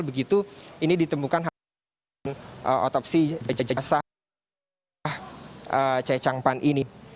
begitu ini ditemukan hasil otopsi jenazah chai chang pan ini